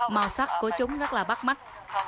màu sắc của chúng rất là bắt mắt